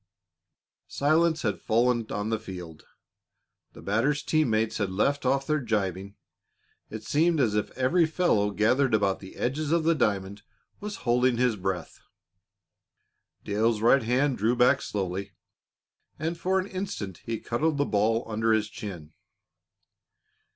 Silence had fallen on the field. The batter's team mates had left off their gibing. It seemed as if every fellow gathered about the edges of the diamond was holding his breath. Dale's right hand drew back slowly, and for an instant he cuddled the ball under his chin.